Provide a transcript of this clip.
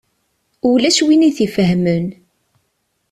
Ulac win i t-ifehmen.